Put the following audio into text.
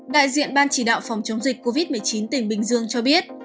đại diện ban chỉ đạo phòng chống dịch covid một mươi chín tỉnh bình dương cho biết